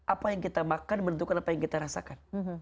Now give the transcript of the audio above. apa yang kita makan menentukan apa yang kita rasakan